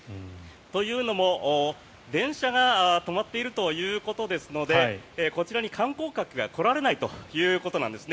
というのも、電車が止まっているということですのでこちらに観光客が来られないということなんです。